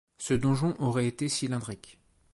Ce donjon aurait été cylindrique.